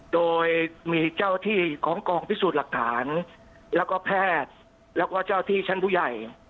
โดยมีเจ้าที่ของกองพิสูจน์หลักฐานแล้วก็แพทย์แล้วก็เจ้าที่ชั้นผู้ใหญ่